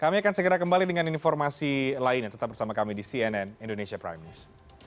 kami akan segera kembali dengan informasi lainnya tetap bersama kami di cnn indonesia prime news